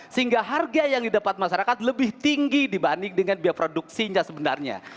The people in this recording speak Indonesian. sehingga harga yang didapat masyarakat lebih tinggi dibanding dengan biaya produksinya sebenarnya